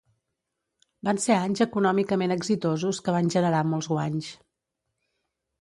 Van ser anys econòmicament exitosos que van generar molts guanys.